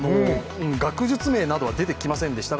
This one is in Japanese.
学術名などは出てきませんでした。